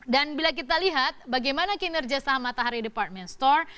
dan bila kita lihat bagaimana kinerja saham matahari department store